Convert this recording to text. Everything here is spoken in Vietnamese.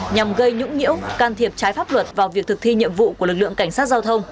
nhằm gây nhũng nhiễu can thiệp trái pháp luật vào việc thực thi nhiệm vụ của lực lượng cảnh sát giao thông